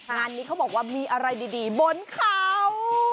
งานนี้เขาบอกว่ามีอะไรดีบนเขา